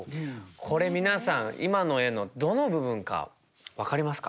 これ皆さん今の絵のどの部分か分かりますか？